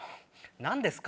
何ですか？